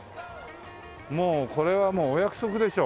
これはもうお約束でしょ。